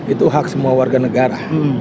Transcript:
itu hak semua warga negara